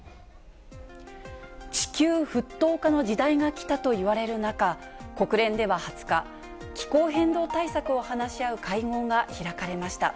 地球沸騰化の時代が来たといわれる中、国連では２０日、気候変動対策を話し合う会合が開かれました。